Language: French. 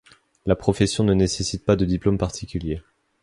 La profession ne nécessite pas de diplôme particulier.